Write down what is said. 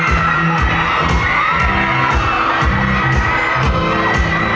ไม่ต้องถามไม่ต้องถาม